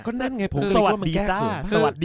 ก็นั่นไงผมคิดว่ามันแก้เขินมาก